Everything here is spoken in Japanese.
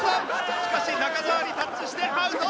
しかし中澤にタッチしてアウト！